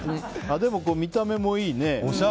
でも、見た目もいいね。